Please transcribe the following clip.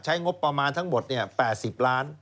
งบประมาณทั้งหมด๘๐ล้าน